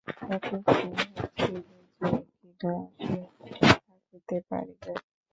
এত স্নেহের ছিল, সে কি না আসিয়া থাকিতে পারিবে!